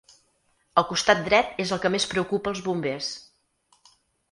El costat dret és el que més preocupa els bombers.